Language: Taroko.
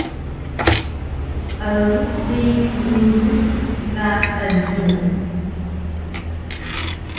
Egu bi rulu ka elug